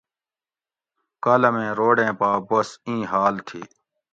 کالمیں روڑیں پا بس ایں حال تھی